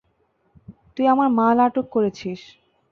তুই আমার মাল আটক করেছিস।